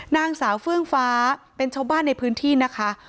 นางสาวเฟื่องฟ้าเป็นชาวบ้านในพื้นที่นะคะ